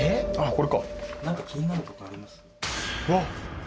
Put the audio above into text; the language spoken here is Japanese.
これか・何か気になることあります？